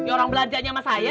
ya orang belajarnya sama saya